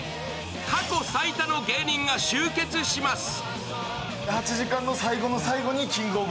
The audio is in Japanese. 過去最多の芸人が集結します。